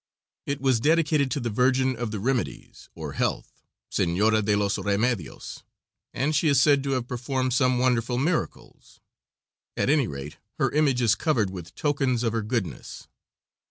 It was dedicated to the Virgin of the Remedies, or Health Senora de los Remedios, and she is said to have performed some wonderful miracles, at any rate her image is covered with tokens of her goodness.